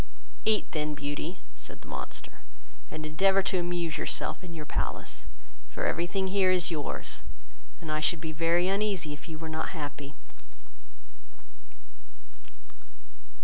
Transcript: "Eat then, Beauty, (said the monster,) and endeavour to amuse yourself in your palace; for every thing here is yours, and I should be very uneasy if you were not happy."